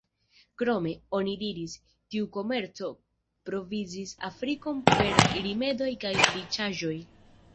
Krome, oni diris, tiu komerco provizis Afrikon per rimedoj kaj riĉaĵoj.